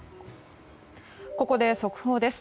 ここで速報です。